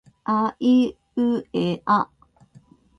あいうえあ